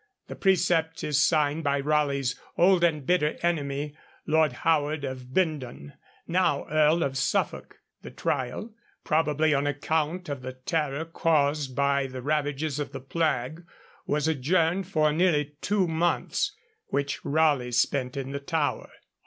The precept is signed by Raleigh's old and bitter enemy, Lord Howard of Bindon, now Earl of Suffolk. The trial, probably on account of the terror caused by the ravages of the plague, was adjourned for nearly two months, which Raleigh spent in the Tower.